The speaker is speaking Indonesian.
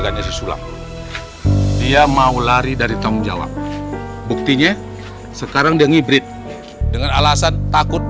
di indonesia sulam dia mau lari dari tamu jawab buktinya sekarang dia ngibrit dengan alasan takut